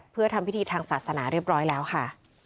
เพื่อทำพิธีทางศาสนาเรียบร้อยแล้วค่ะ